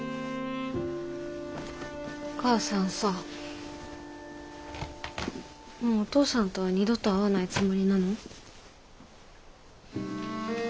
お母さんさもうお父さんとは二度と会わないつもりなの？